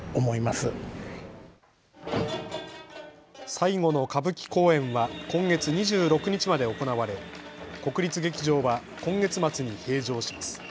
最後の歌舞伎公演は今月２６日まで行われ国立劇場は今月末に閉場します。